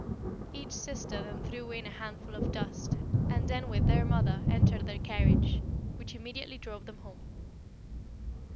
Each sister then threw in a handful of dust, and then with their mother entered their carriage, which immediately drove them home.